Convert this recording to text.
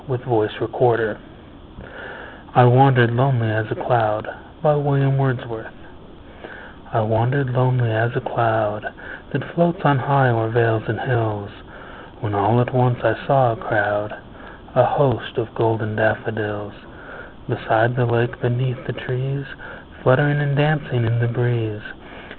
William Wordsworth I Wandered Lonely As a Cloud I WANDERED lonely as a cloud That floats on high o'er vales and hills, When all at once I saw a crowd, A host, of golden daffodils; Beside the lake, beneath the trees, Fluttering and dancing in the breeze.